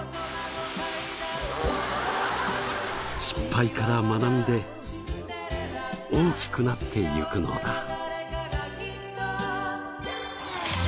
失敗から学んで大きくなってゆくのだ。